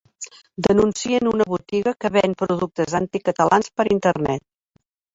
Denuncien una botiga que ven productes «anticatalans» per Internet